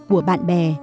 của bạn bè